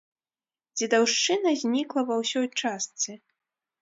Дзедаўшчына знікла ва ўсёй частцы.